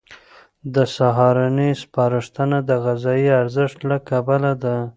د سهارنۍ سپارښتنه د غذایي ارزښت له کبله ده.